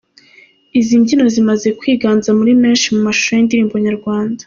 Izi mbyino zimaze kwiganza muri menshi mu mashusho y'indirimbo nyarwanda.